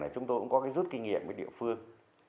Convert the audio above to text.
chúng tôi cũng có cái rút kinh nghiệm với địa phương